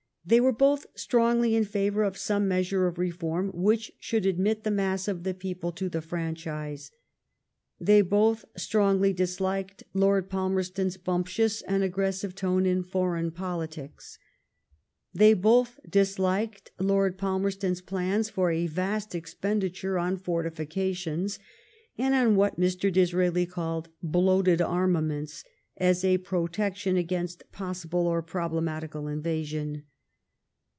They were both strongly in favor of some measure of reform which should admit the mass of the people to the franchise. They both strongly disliked Lord Palmerston s bumptious and aggressive tone in foreign politics. They both disliked Lord Pal merston s plans for a vast expenditure on fortifi cations and on what Mr. Disraeli called "bloated armaments " as a protection against possible or problematical invasion.